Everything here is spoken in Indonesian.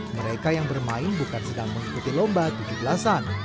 mereka yang bermain bukan sedang mengikuti lomba tujuh belas an